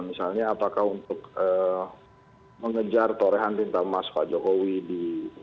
misalnya apakah untuk mengejar torehan tinta emas pak jokowi di